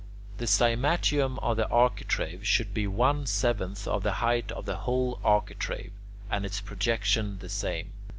The cymatium of the architrave should be one seventh of the height of the whole architrave, and its projection the same.